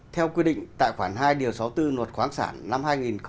theo quy định tài khoản hai sáu mươi bốn nguồn khoáng sản năm hai nghìn một mươi